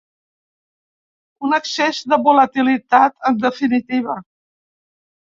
Un excés de volatilitat, en definitiva.